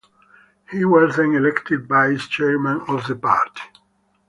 He was then elected vice-chairman of the party.